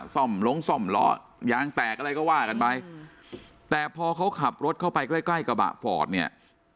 ซ่อมลงซ่อมล้อยางแตกอะไรก็ว่ากันไปแต่พอเขาขับรถเข้าไปใกล้ใกล้กระบะฟอร์ดเนี่ย